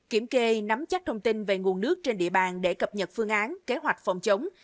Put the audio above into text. kiểm kê nắm chắc thông tin về nguồn nước trên địa bàn để cập nhật phương án kế hoạch phòng chống